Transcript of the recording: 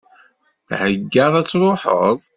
Theggaḍ ad tṛuḥeḍ?